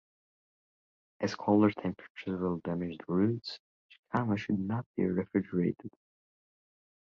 As colder temperatures will damage the roots, jicama should not be refrigerated.